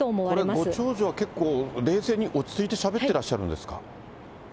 これご長女は、結構冷静に落ち着いてしゃべってらっしゃるんですか。